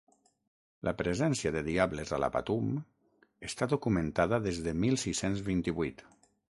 La presència de diables a la Patum està documentada des de mil sis-cents vint-i-vuit.